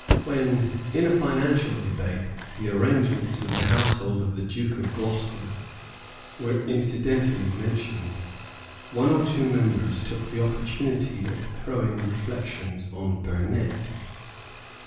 When, in a financial debate, the arrangements of the household of the Duke of Gloucester were incidentally mentioned, one or two members took the opportunity of throwing reflections on Burnet.